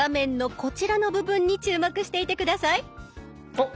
おっ！